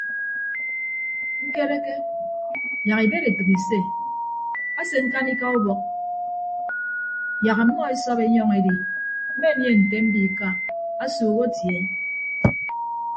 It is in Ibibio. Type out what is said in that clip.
Ñkereke yak ibed etәk ise ase ñkanika ubọk mbọk yak ọmmọ esọp enyọñ edi mmenie nte mbiika asuuk atie.